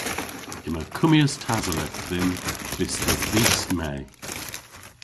Yma kummyas tasoleth dhymm bys dhe vis Me.